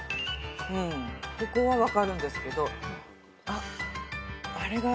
うんここは分かるんですけどあっあれが。